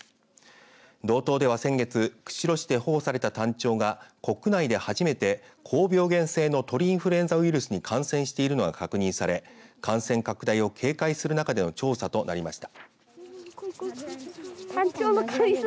道東では先月釧路市で保護されたタンチョウが国内で初めて高病原性の鳥インフルエンザウイルスに感染しているのが確認され感染拡大を警戒する中での調査となりました。